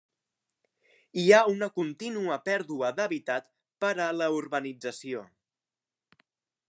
Hi ha una contínua pèrdua d'hàbitat per a la urbanització.